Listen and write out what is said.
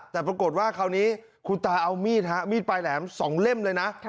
แต่ปรากฏว่าคราวนี้คุณตาเอามีดฮะมีดปลายแหลม๒เล่มเลยนะ